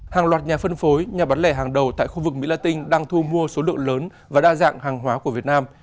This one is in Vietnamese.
hàng loạt nhà phân phối nhà bán lẻ hàng đầu tại khu vực mỹ la tinh đang thu mua số lượng lớn và đa dạng hàng hóa của việt nam